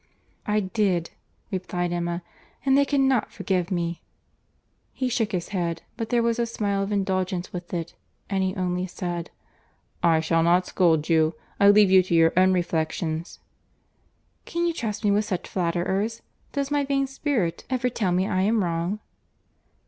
"I did," replied Emma, "and they cannot forgive me." He shook his head; but there was a smile of indulgence with it, and he only said, "I shall not scold you. I leave you to your own reflections." "Can you trust me with such flatterers?—Does my vain spirit ever tell me I am wrong?"